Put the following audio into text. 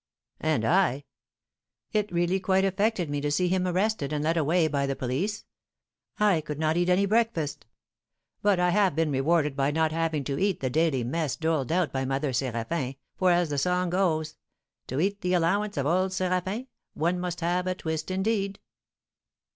"And I. It really quite affected me to see him arrested and led away by the police. I could not eat any breakfast; but I have been rewarded by not having to eat the daily mess doled out by Mother Séraphin, for, as the song goes: 'To eat the allowance of old Séraphin, One must have a twist indeed.'"